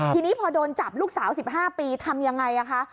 ทีนี้พอโดนจับลูกสาว๑๕ปีทำยังไงคะ